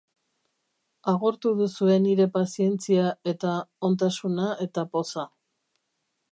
Agortu duzue nire pazientzia eta ontasuna eta poza...